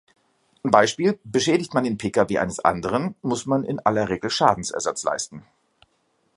Beispiel: Beschädigt man den Pkw eines anderen, muss man in aller Regel Schadensersatz leisten.